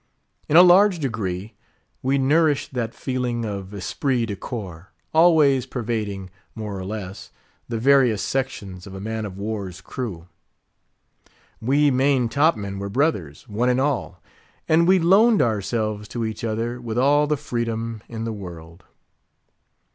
In a large degree, we nourished that feeling of "esprit de corps," always pervading, more or less, the various sections of a man of war's crew. We main top men were brothers, one and all, and we loaned ourselves to each other with all the freedom in the world.